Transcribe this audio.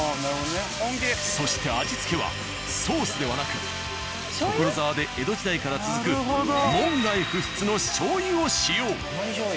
そして味付けはソースではなく所沢で江戸時代から続く門外不出の醤油を使用。